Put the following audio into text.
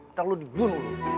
ntar lo dibunuh dulu